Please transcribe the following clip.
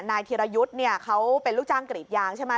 นายธีรยุทธ์เนี่ยเขาเป็นลูกจ้างกรีดยางใช่ไหม